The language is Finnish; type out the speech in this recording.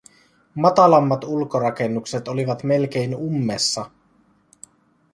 Matalammat ulkorakennukset olivat melkein ummessa.